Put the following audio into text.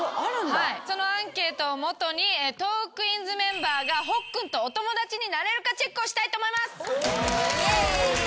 そのアンケートを基にトークィーンズメンバーがほっくんとお友達になれるかチェックをしたいと思います！